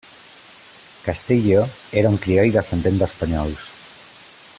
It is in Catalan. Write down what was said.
Castillo era un crioll descendent d'espanyols.